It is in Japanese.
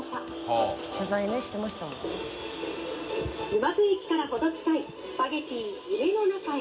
沼津駅からほど近いスパゲティ「夢の中へ」